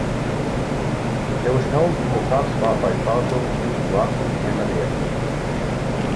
It was held from the top spot by Falco's "Rock Me Amadeus".